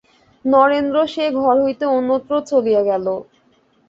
নরেন্দ্র সে ঘর হইতে অন্যত্র চলিয়া গেল।